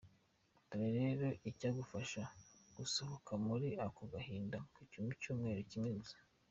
Dore rero icyagufasha gusohoka muri ako gahinda mu cyumweru kimwe gusa.